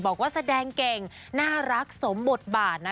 บอกว่าแสดงเก่งน่ารักสมบทบาทนะ